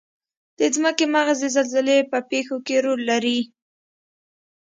د ځمکې مغز د زلزلې په پیښو کې رول لري.